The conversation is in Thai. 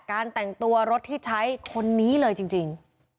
การแต่งตัวรถที่ใช้คนนี้เลยจริงจริง